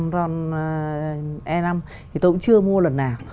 thì tôi cũng chưa mua lần nào